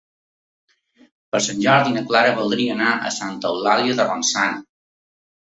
Per Sant Jordi na Clara voldria anar a Santa Eulàlia de Ronçana.